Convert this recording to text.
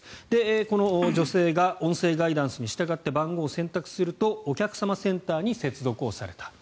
この女性が音声ガイダンスに従って番号を選択するとお客様センターに接続された。